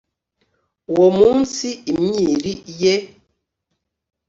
Uwo munsi imyiri ye,